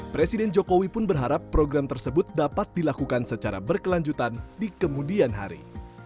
presiden jokowi pun berharap program tersebut dapat dilakukan secara berkelanjutan di kemudian hari